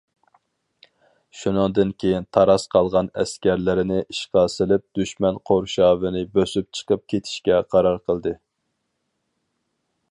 شۇنىڭدىن كېيىن تاراس قالغان ئەسكەرلىرىنى ئىشقا سېلىپ دۈشمەن قورشاۋىنى بۆسۈپ چىقىپ كېتىشكە قارار قىلدى.